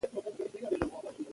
اوښ د افغانستان د اقتصاد برخه ده.